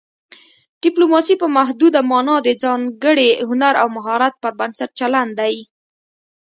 ډیپلوماسي په محدوده مانا د ځانګړي هنر او مهارت پر بنسټ چلند دی